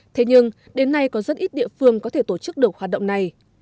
thế nhưng đến nay có rất ít địa phương có thể tổ chức được hoạt động này